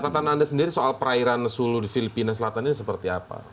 catatan anda sendiri soal perairan sulu di filipina selatan ini seperti apa